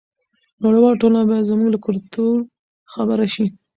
نړیواله ټولنه باید زموږ له کلتور خبره شي.